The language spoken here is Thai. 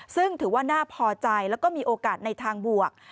ซึ่งถือว่าน่าพอใจแล้วก็มีโอกาสในทางบวก